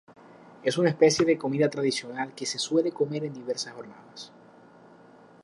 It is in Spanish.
Es una especie de comida tradicional que se suele comer en diversas jornadas.